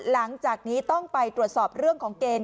หลังจากนี้ต้องไปตรวจสอบเรื่องของเกณฑ์